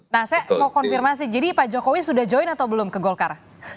nah saya mau konfirmasi jadi pak jokowi sudah join atau belum ke golkar